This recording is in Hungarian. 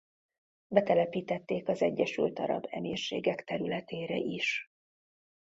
Betelepítették az Egyesült Arab Emírségek területére is.